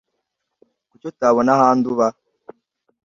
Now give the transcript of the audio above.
Kuki utabona ahandi uba?